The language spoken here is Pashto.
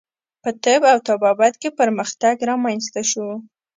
په طب او طبابت کې پرمختګ رامنځته شو.